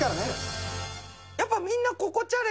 やっぱみんな。